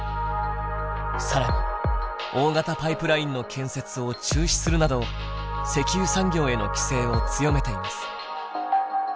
更に大型パイプラインの建設を中止するなど石油産業への規制を強めています。